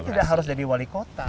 jadi tidak harus jadi wali kota